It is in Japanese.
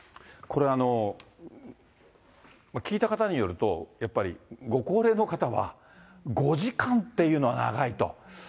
これ、聞いた方によると、やっぱりご高齢の方は、５時間っていうのは長いと。